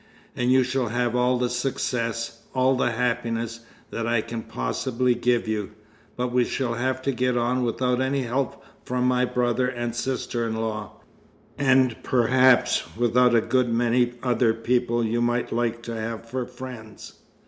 "And you shall have all the success, all the happiness, that I can possibly give you. But we shall have to get on without any help from my brother and sister in law, and perhaps without a good many other people you might like to have for friends.